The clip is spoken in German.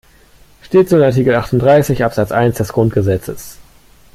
Steht so in Artikel achtunddreißig, Absatz eins des Grundgesetzes.